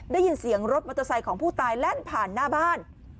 ได้ยินเสียงรถมอเตอร์ไซค์ของผู้ตายแล่นผ่านหน้าบ้าน